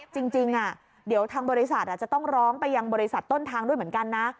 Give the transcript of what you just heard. จริงเดี๋ยวทางบริษัทจะต้องร้องไปยังบริษัทต้นทางด้วยเหมือนกันนะ